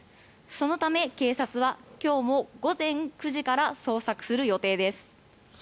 そのため警察は今日も午前９時から捜索する予定です。